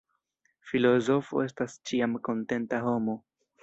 Filozofo estas ĉiam kontenta homo.